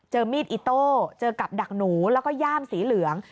มีดอิโต้เจอกับดักหนูแล้วก็ย่ามสีเหลือง